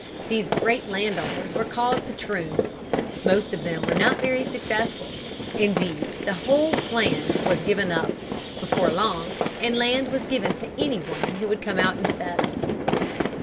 These great land owners were called patroons. Most of them were not very successful. Indeed, the whole plan was given up before long, and land was given to any one who would come out and settle.